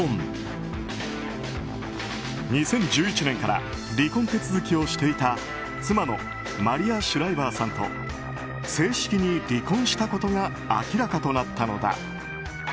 ２０１１年から離婚手続きをしていた妻のマリア・シュライバーさんと正式に離婚したことが明らかとなったのだ。